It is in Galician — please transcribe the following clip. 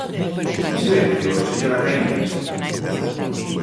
Silencio, señora Caíñas.